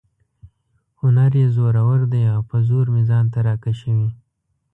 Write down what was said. هنر یې زورور دی او په زور مې ځان ته را کشوي.